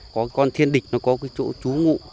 có con thiên địch nó có cái chỗ trú ngụ